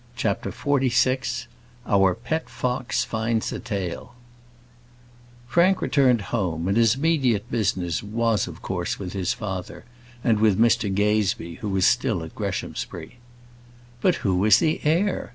CHAPTER XLVI Our Pet Fox Finds a Tail Frank returned home, and his immediate business was of course with his father, and with Mr Gazebee, who was still at Greshamsbury. "But who is the heir?"